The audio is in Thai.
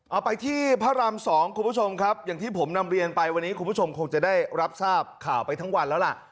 เอาไปที่พระราม๒คุณผู้ชมครับอย่างที่ผมนำเรียนไปวันนี้คุณผู้ชมคงจะได้รับทราบข่าวไปทั้งวันแล้วล่ะ